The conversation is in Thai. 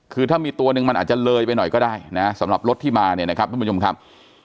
คือถ้ามีตัวหนึ่งมันอาจจะเลยไปหน่อยก็ได้นะสำหรับรถที่มาเนี่ยนะครับทุกผู้ชมครับ